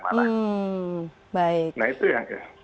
nah itu yang ke